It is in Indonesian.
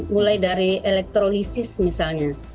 mulai dari elektrolisis misalnya